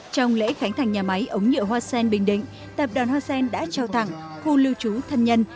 trong lễ khánh thành nhà máy ống nhựa hoa sen bình định tập đoàn hoa sen đã trao tặng khu lưu trú thân nhân